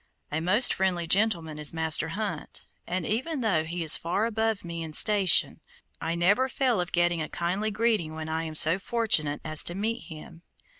A most friendly gentleman is Master Hunt, and even though he is so far above me in station, I never fail of getting a kindly greeting when I am so fortunate as to meet him.